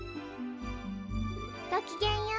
ごきげんよう。